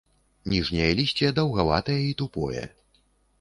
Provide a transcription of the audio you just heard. Ніжняе лісце даўгаватае і тупое.